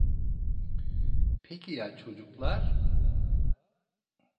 Peki ya çocuklar?